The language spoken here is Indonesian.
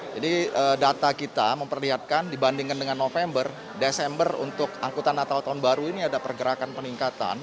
jadi data kita memperlihatkan dibandingkan dengan november desember untuk angkutan natal tahun baru ini ada pergerakan peningkatan